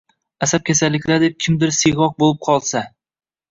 Asab kasalliklari deb kimdir siyg’oq bo’lib qolsa